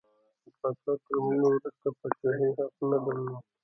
د پاچا تر مړینې وروسته د پاچاهۍ حق نه درلود.